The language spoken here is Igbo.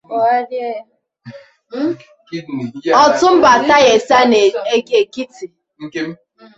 Otunba Atayese n'Ekiti